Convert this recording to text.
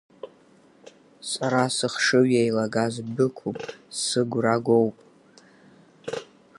Сара сыхшыҩ еилага сдәықәым, сыгәра гоуп!